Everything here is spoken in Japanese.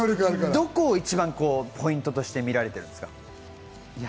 どこをポイントとして見られているんですか？